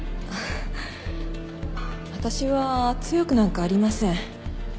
私は強くなんかありません。